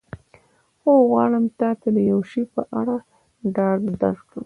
خو غواړم تا ته د یو شي په اړه ډاډ درکړم.